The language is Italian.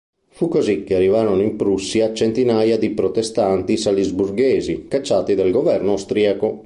Fu così che arrivarono in Prussia centinaia di protestanti salisburghesi, cacciati dal governo austriaco.